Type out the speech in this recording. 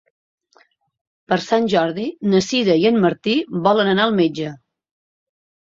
Per Sant Jordi na Sira i en Martí volen anar al metge.